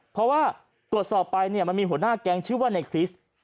เพราะว่ากดสอบไปมันมีหัวหน้าแกงชื่อว่าในคริสต์